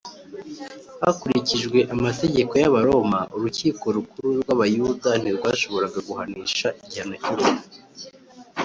hakurikijwe amategeko y’abaroma, urukiko rukuru rw’abayuda ntirwashoboraga guhanisha igihano cy’urupfu